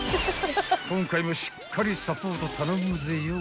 ［今回もしっかりサポート頼むぜよ